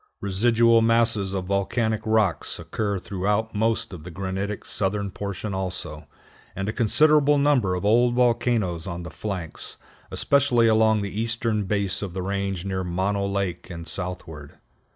Residual masses of volcanic rocks occur throughout most of the granitic southern portion also, and a considerable number of old volcanoes on the flanks, especially along the eastern base of the range near Mono Lake and southward.